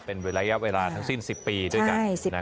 เป็นระยะเวลาทั้งสิ้น๑๐ปีด้วยกัน